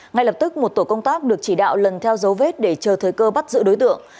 ngay lập tức một tổ công tác được chỉ đạo lần theo dấu vết để chờ thời cơ bắt giữ đối tượng